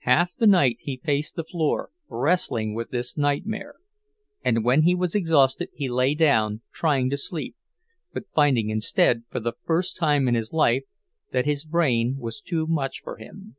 Half the night he paced the floor, wrestling with this nightmare; and when he was exhausted he lay down, trying to sleep, but finding instead, for the first time in his life, that his brain was too much for him.